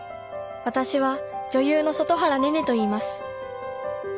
私は女優の外原寧々といいます。